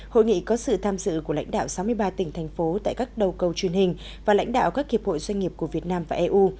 hội nghị có sự tham dự của lãnh đạo sáu mươi ba tỉnh thành phố tại các đầu cầu truyền hình và lãnh đạo các hiệp hội doanh nghiệp của việt nam và eu